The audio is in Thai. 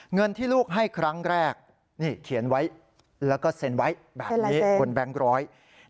เงินที่ลูกให้ครั้งแรกนี่เขียนไว้แล้วก็เซ็นไว้แบบนี้บนแบงค์ร้อย